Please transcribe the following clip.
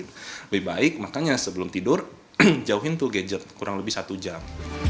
lebih baik makanya sebelum tidur jauhin tuh gadget kurang lebih satu jam